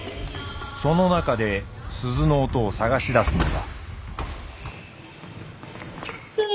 その中で鈴の音を探し出すのだ。